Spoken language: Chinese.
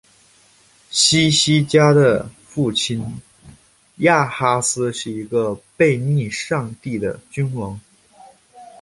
希西家的父亲亚哈斯是一个背逆上帝的君王。